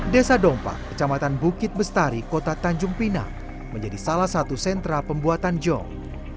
desa dompa kecamatan bukit bestari kota tanjung pinang menjadi salah satu sentra pembuatan jong